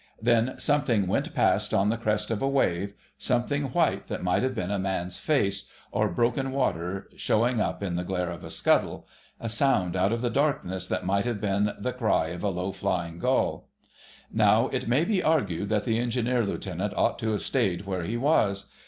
Then something went past on the crest of a wave: something white that might have been a man's face, or broken water showing up in the glare of a scuttle.... A sound out of the darkness that might have been the cry of a low flying gull. Now it may be argued that the Engineer Lieutenant ought to have stayed where he was.